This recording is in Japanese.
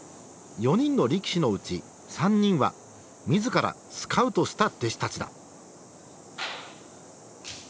４人の力士のうち３人は自らスカウトした弟子たちだ。